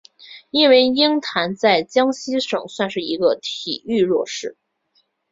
因为鹰潭在江西省算是个体育弱市。